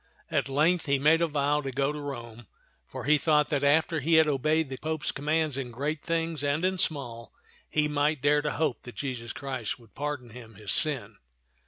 At length he made a vow to go to Rome, for he thought that after he had obeyed the Pope's commands in great things and in small, he might dare to hope that Jesus Christ would pardon him his sin.